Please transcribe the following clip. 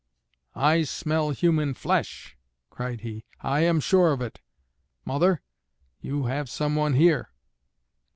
"I smell human flesh," cried he, "I am sure of it. Mother, you have some one here."